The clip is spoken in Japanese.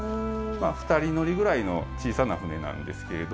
まあ２人乗りぐらいの小さな舟なんですけれども。